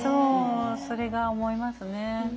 それが思いますね。